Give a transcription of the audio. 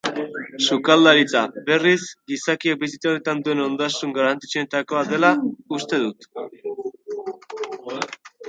Sukaldaritza, berriz, gizakiak bizitza honetan duen ondasun garrantzitsuenetakoa dela uste dut.